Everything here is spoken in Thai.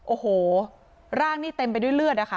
โอโหร่างนี้เต็มไปด้วยเลือด